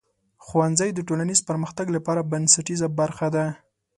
ښوونځی د ټولنیز پرمختګ لپاره بنسټیزه برخه ده.